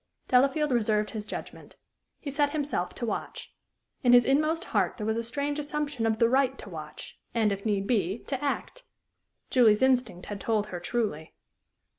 Delafield reserved his judgment. He set himself to watch. In his inmost heart there was a strange assumption of the right to watch, and, if need be, to act. Julie's instinct had told her truly.